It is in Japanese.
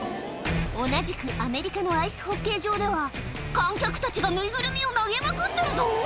同じくアメリカのアイスホッケー場では、観客たちが縫いぐるみを投げまくってるぞ。